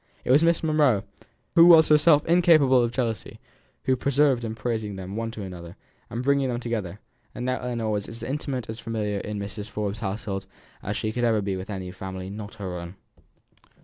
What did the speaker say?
It was Miss Monro, who was herself incapable of jealousy, who persevered in praising them to one another, and in bringing them together; and now Ellinor was as intimate and familiar in Mrs. Forbes's household as she ever could be with any family not her own.